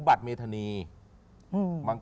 เพราะเขาไม่เจอรัก